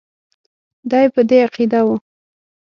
دی په دې عقیده وو.